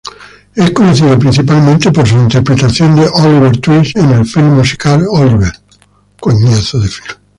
Es conocido principalmente por su interpretación de Oliver Twist en el filme musical "Oliver!